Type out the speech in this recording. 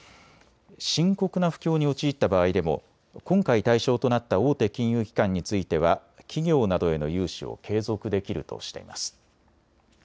深刻な不況に陥った場合でも今回対象となった大手金融機関については企業などへの融資を継続できるとしています。